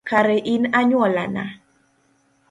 Kare in anyuolana?